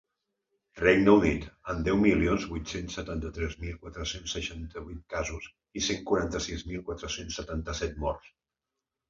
Regne Unit, amb deu milions vuit-cents setanta-tres mil quatre-cents seixanta-vuit casos i cent quaranta-sis mil quatre-cents setanta-set morts.